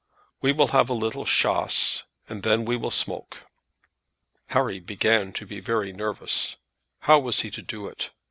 We will have a little chasse, and then we will smoke." Harry began to be very nervous. How was he to do it?